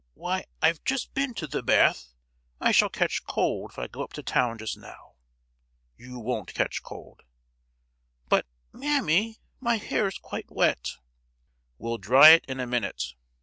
Why, I've just been to the bath. I shall catch cold if I go up to town just now!" "You won't catch cold!" "But—mammy, my hair's quite wet!" "We'll dry it in a minute.